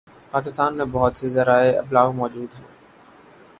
پاکستان میں بہت سے ذرائع ابلاغ موجود ہیں